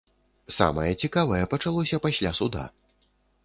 Самае цікавае пачалося пасля суда.